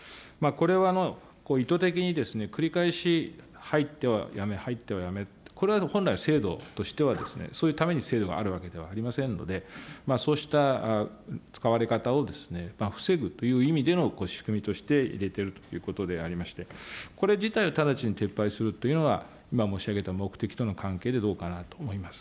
これは、意図的に繰り返し入っては辞め、入っては辞め、これは本来、制度としては、そういうために制度があるわけではありませんので、そうした使われ方を防ぐという意味での仕組みとして入れているということでありまして、これ自体を直ちに撤廃するというのは、今申し上げた目的との関係で、どうかなと思います。